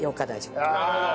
なるほど！